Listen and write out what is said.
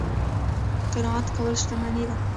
قناعت کول شتمني ده